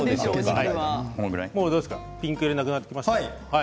ピンク色はなくなってきましたか？